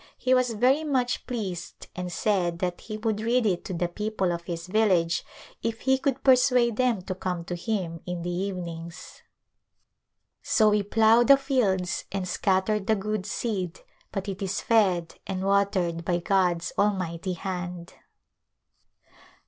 He was very much pleased and said that he would read it to the people of his village if he could persuade them to come to him in the evenings. " So we plough the fields and scatter the good seed, but it is fed and watered by God's Almighty Hand.''